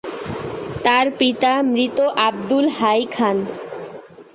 তার পিতা মৃত আবদুল হাই খান।